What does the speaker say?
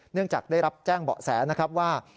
เนื่องจากได้รับแจ้งเบาะแสนะครับว่า